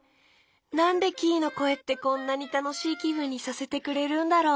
なんでキイのこえってこんなにたのしいきぶんにさせてくれるんだろう。